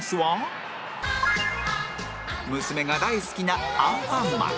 娘が大好きな『アンパンマン』